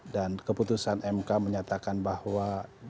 dan keputusan mk menyatakan bahwa